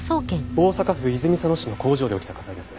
大阪府泉佐野市の工場で起きた火災です。